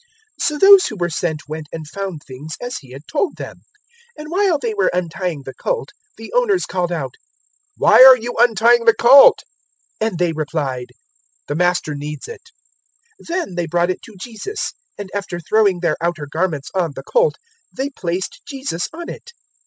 '" 019:032 So those who were sent went and found things as He had told them. 019:033 And while they were untying the colt the owners called out, "Why are you untying the colt?" 019:034 and they replied, "The Master needs it." 019:035 Then they brought it to Jesus, and after throwing their outer garments on the colt they placed Jesus on it.